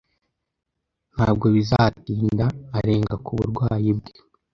Ntabwo bizatinda arenga ku burwayi bwe.